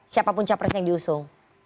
siapapun cawapres yang diusung